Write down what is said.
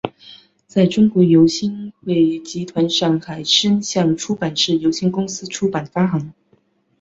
在中国由新汇集团上海声像出版社有限公司出版发行。